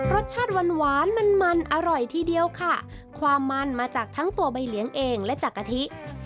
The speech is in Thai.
รสชาติหวานหวานมันมันอร่อยทีเดียวค่ะความมันมาจากทั้งตัวใบเลี้ยงเองและจากกะทิ